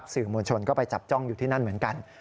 สื่อมวลชนก็ไปจับจ้องอยู่ที่นั่นเหมือนกัน